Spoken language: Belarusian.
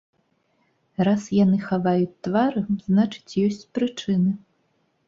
Раз яны хаваюць твары, значыць, ёсць прычыны.